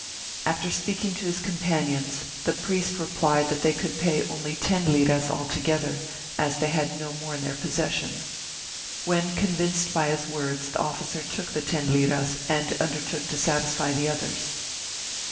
After speaking to his companions, the priest replied that they could pay only ten liras altogether, as they had no more in their possession. When convinced by his words, the officer took the ten liras and undertook to satisfy the others.